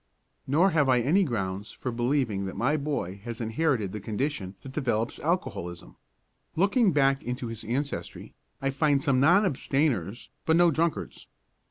Nor have I any grounds for believing that my boy has inherited the condition that develops alcoholism. Looking back into his ancestry, I find some non abstainers but no drunkards.